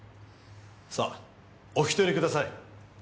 さあお引き取りください。